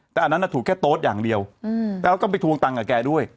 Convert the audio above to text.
แต่อันนั้นถูกแค่โต๊ดอย่างเดียวแล้วก็ไปทวงตังค์กับแกด้วย